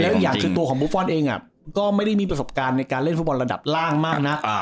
อีกอย่างคือตัวของบุฟฟอลเองก็ไม่ได้มีประสบการณ์ในการเล่นฟุตบอลระดับล่างมากนัก